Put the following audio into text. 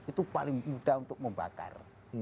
itu paling mudah untuk membakar